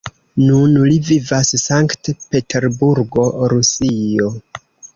Nun li vivas St-Peterburgo, Rusio.